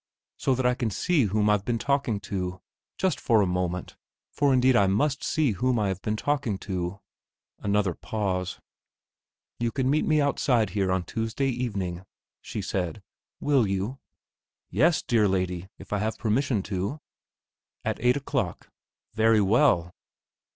"So that I can see whom I have been talking to. Just for one moment, for indeed I must see whom I have been talking to." Another pause.... "You can meet me outside here on Tuesday evening," she said. "Will you?" "Yes, dear lady, if I have permission to." "At eight o'clock." "Very well."